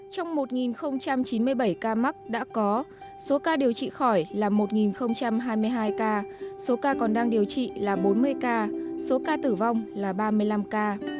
trong một chín mươi bảy ca mắc đã có số ca điều trị khỏi là một hai mươi hai ca số ca còn đang điều trị là bốn mươi ca số ca tử vong là ba mươi năm ca